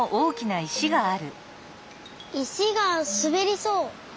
いしがすべりそう。